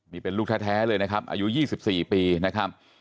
นี่เป็นลูกแท้เลยนะครับอายุ๒๔ปีนะครับ